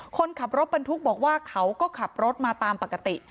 คนขับรถบรรทุกบอกว่าเขาก็ขับรถมาตามปกติ